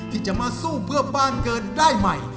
ที่จะมาสู้เพื่อบ้านเกิดได้ใหม่